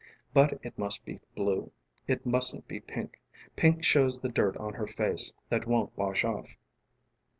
But it must be blueŌĆö it mustn't be pinkŌĆö pink shows the dirt on her face that won't wash off.